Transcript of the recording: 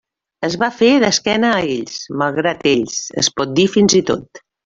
Es va fer d'esquena a ells, malgrat ells, es pot dir fins i tot.